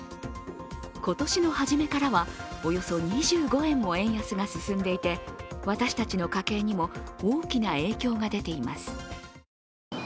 今年の初めからは、およそ２５円も円安が進んでいて私たちの家計にも大きな影響が出ています。